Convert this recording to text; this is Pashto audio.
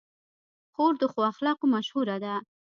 خور د ښو اخلاقو مشهوره ده.